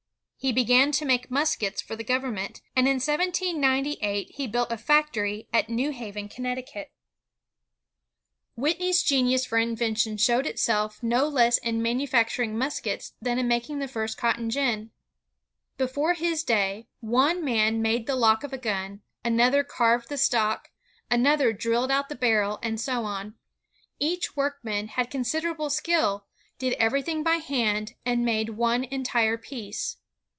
He began to make muskets for the government, and in 1798 he built a factory at New Haven, Connecticut. I20 INVENTIONS OF MANUFACTURE AND PRODUCTION Whitney's genius for invention showed itself no less in manufacturing muskets than in making the first cotton gin. Before his day, one man made the lock of a gun, another carved the stock, another drilled out the barrel, and so on. Each workman had considerable skill, did everything by hand, and made one entire piece.